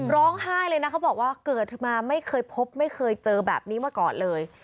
ร้องไห้เลยนะเขาบอกว่าเกิดมาไม่เคยพบไม่เคยเจอแบบนี้มาก่อนเลย